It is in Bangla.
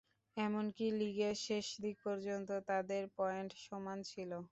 এমনকি লীগের শেষ দিন পর্যন্ত তাদের পয়েন্ট সমান ছিল।